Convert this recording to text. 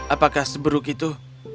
apakah seberuk itu